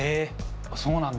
あっそうなんだ。